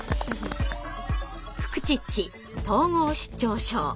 「フクチッチ」統合失調症。